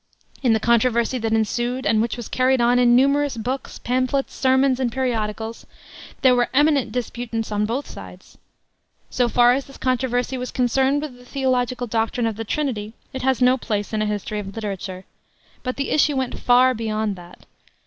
In the controversy that ensued, and which was carried on in numerous books, pamphlets, sermons, and periodicals, there were eminent disputants on both sides. So far as this controversy was concerned with the theological doctrine of the Trinity, it has no place in a history of literature. But the issue went far beyond that.